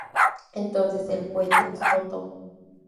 Entonces el cohete explotó.